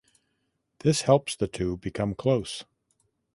This helps the two become close.